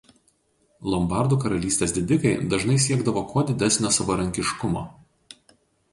Lombardų karalystės didikai dažnai siekdavo kuo didesnio savarankiškumo.